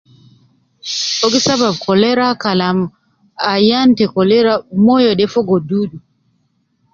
Ogi Sabab cholera Kalam Ayan te cholera ummoyo de Fogo dudu